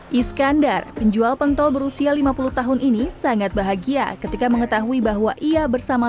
hai iskandar penjual pentol berusia lima puluh tahun ini sangat bahagia ketika mengetahui bahwa ia bersama